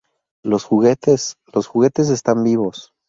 ¡ Los juguetes! ¡ los juguetes están vivos!